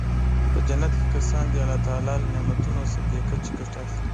په جنت کې کسان د الله تعالی له نعمتونو څخه بې کچې ګټه اخلي.